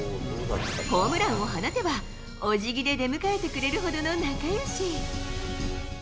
ホームランを放てば、おじぎで出迎えてくれるほどの仲よし。